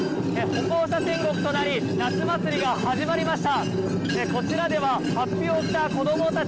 歩行者天国となり夏祭りが始まりました。